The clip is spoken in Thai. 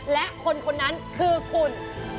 และคนคนนั้นคือคุณ